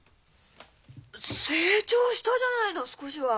成長したじゃないの少しは。